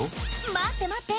待って待って。